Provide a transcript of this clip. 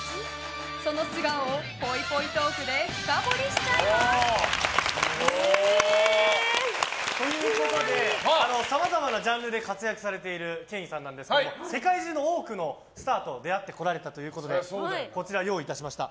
その素顔をぽいぽいトークで深掘りしちゃいます！ということでさまざまなジャンルで活躍されているケインさんなんですが世界中の多くのスターと出会ってこられたということでこちら、用意いたしました。